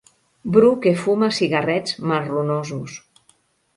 Bru que fuma cigarrets marronosos.